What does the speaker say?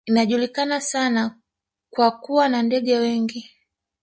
Inajulikana sana kwa kuwa na ndege wengi